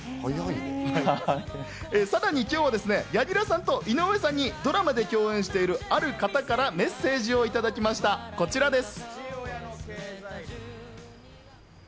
さらに今日は柳楽さんと井上さんに、ドラマで共演している、ある方からメッセージをいただきました、こちらです。